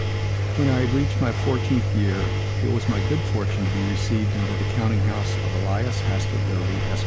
When I had reached my fourteenth year it was my good fortune to be received into the counting house of Elias Hasket Derby, Esq.